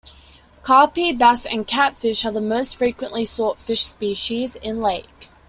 Crappie, Bass and Catfish are the most frequently sought fish species in lake.